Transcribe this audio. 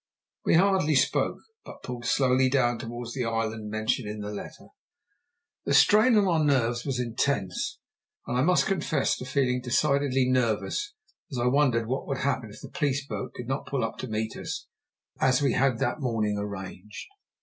We hardly spoke, but pulled slowly down towards the island mentioned in the letter. The strain on our nerves was intense, and I must confess to feeling decidedly nervous as I wondered what would happen if the police boat did not pull up to meet us, as we had that morning arranged.